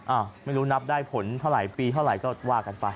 ไม่รู้นับได้ผลเท่าไหร่ปีเท่าไหร่ก็ว่ากันไป